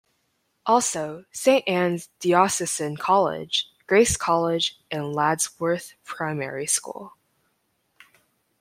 Also Saint Anne's Diocesan College, Grace College and Laddsworth Primary School.